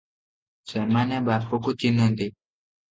ସେମାନେ ବାପକୁ ଚିହ୍ନନ୍ତି ।